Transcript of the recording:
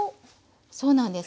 そうなんです。